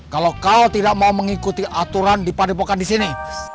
kalau kau tidak mau mengikuti aturan di padepokan di sini